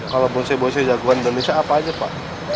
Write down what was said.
kalau bonsai bonsai jagoan indonesia apa aja pak